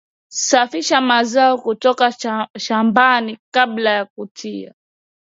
Sfisha mazao kutoka shambani kabla ya kutumia